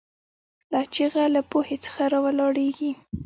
دا چیغه له پوهې څخه راولاړېږي.